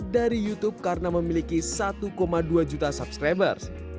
dari youtube karena memiliki satu dua juta subscribers